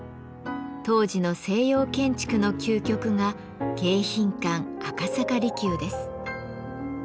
当時の西洋建築の究極が迎賓館赤坂離宮です。